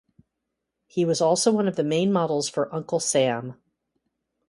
He was also one of the main models for "Uncle Sam".